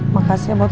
makasih ya buat lu ya